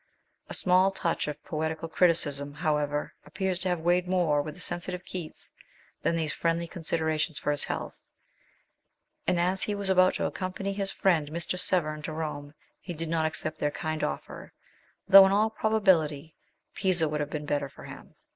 A small touch of poetical criticism, however, appears to have weighed more with the sensitive Keats than these friendly considerations for his health, and as he was about to accompany his friend Mr. Severn to Rome, he did not accept their kind offer, though in all proba bility Pisa would have been better for him.